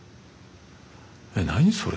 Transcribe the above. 「え何？それ」